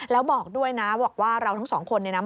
แล้วบอกด้วยนะบอกว่าเราทั้งสองคนเนี่ยนะ